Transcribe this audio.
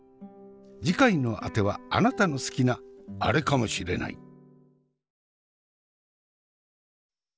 次回のあてはあなたの好きなアレかもしれない。